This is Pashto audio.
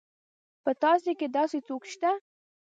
په تاسي کې داسې څوک شته.